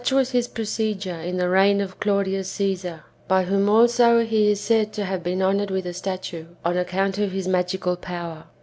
87 Sucli was his procedure in the reign of Claudius CiBsarj by Avlioin also he is said to have been honoured with a statue, on account of his magical power.